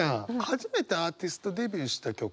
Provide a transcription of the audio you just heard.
初めてアーティストデビューした曲。